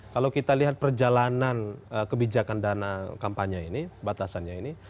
kalau kita lihat perjalanan kebijakan dana kampanye ini batasannya ini